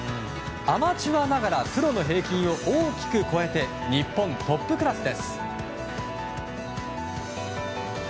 アマチュアながらプロの平均を大きく超えて日本トップクラスです。